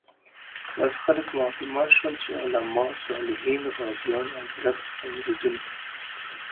داسې خلک مو حاکمان شول چې علماء، صالحین، غازیان او د رب څخه ویریدونکي